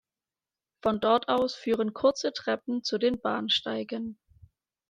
Von dort aus führen kurze Treppen zu den Bahnsteigen.